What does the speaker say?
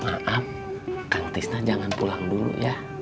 maaf kang tisno jangan pulang dulu ya